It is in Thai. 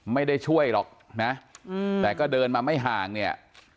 ไม่ได้ช่วยหรอกนะแต่ก็เดินมาไม่ห่างเนี่ย